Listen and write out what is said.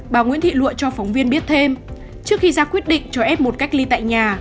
bà nguyễn thị lụa cho phóng viên biết thêm trước khi ra quyết định cho f một cách ly tại nhà